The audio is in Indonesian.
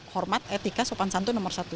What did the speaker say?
hormat etika sopan santu nomor satu